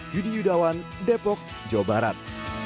yudi yudawan depok jawa barat